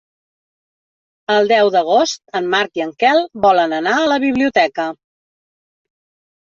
El deu d'agost en Marc i en Quel volen anar a la biblioteca.